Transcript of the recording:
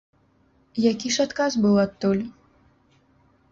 Які ж адказ быў адтуль?